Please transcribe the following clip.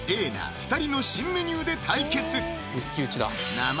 ２人の新メニューで対決！